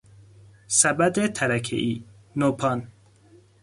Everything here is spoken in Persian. سبد ترکهای، نوپان